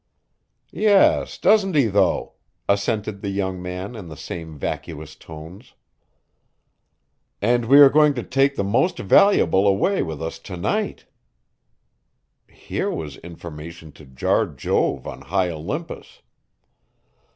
"Yes, doesn't he, though?" assented the young man in the same vacuous tones. "And we are going to take the most valuable away with us to night!" Here was information to jar Jove on high Olympus.